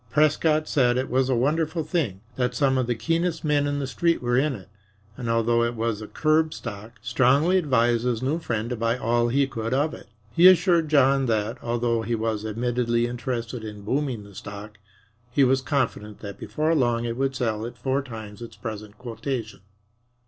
Prescott said it was a wonderful thing that some of the keenest men in the Street were in it, and, although it was a curb stock, strongly advised his new friend to buy all he could of it. He assured John that, although he was admittedly interested in booming the stock, he was confident that before long it would sell at four times its present quotation.